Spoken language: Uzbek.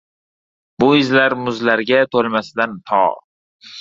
Bu izlar muzlarga to‘lmasidan to